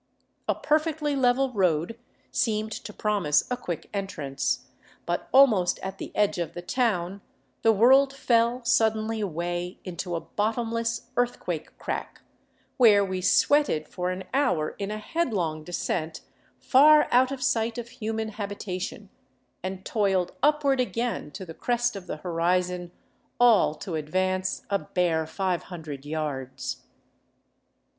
A perfectly level road seemed to prom ise a quick entrance ; but almost at the edge of the town the world fell suddenly away into a bottomless earthquake crack, where we sweated f«r an hour in a headlong descent far out of sight of human habitation, and toiled upward again to the crest of the horizon, all to advance a bare five hundred yards.